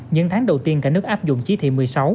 những tháng đầu tiên cả nước áp dụng trí thị một mươi sáu